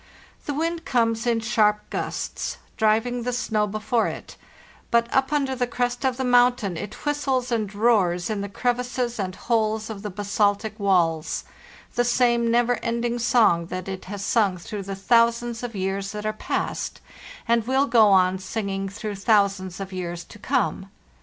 The wind comes in sharp gusts, driving the snow before it; but up under the crest of the mountain it whistles and roars in the crevices and holes of the basaltic walls— the same never ending song that it has sung through 440 FARTHEST NORTH the thousands of years that are past, and will go on singing through thousands of years to come.